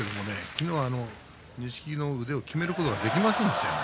昨日は錦木の腕をきめることができませんでしたね。